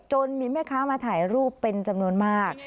มีแม่ค้ามาถ่ายรูปเป็นจำนวนมาก